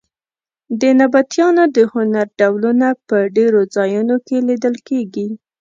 د نبطیانو د هنر ډولونه په ډېرو ځایونو کې لیدل کېږي.